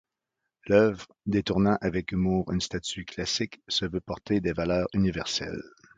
L'œuvre, détournant avec humour une statue classique, se veut porter des valeurs universelles.